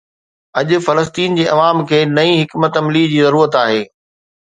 اڄ فلسطين جي عوام کي نئين حڪمت عملي جي ضرورت آهي.